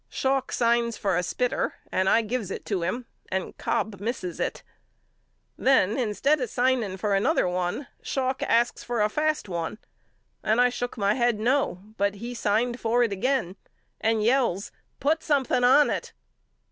Schalk signs for a spitter and I gives it to him and Cobb misses it. Then instead of signing for another one Schalk asks for a fast one and I shook my head no but he signed for it again and yells Put something on it.